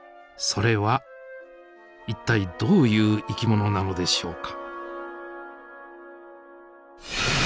それは一体どういう生き物なのでしょうか。